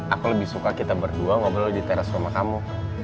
aku lebih suka kita berdua ngobrol lagi teras sama kamu